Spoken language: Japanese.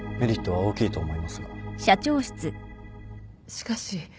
しかし。